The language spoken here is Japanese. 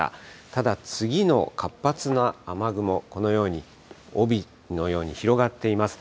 ただ次の活発な雨雲、このように帯のように広がっています。